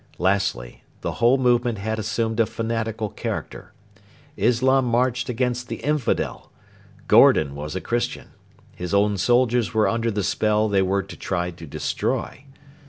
Lastly, the whole movement had assumed a fanatical character. Islam marched against the infidel. Gordon was a Christian. His own soldiers were under the spell they were to try to destroy.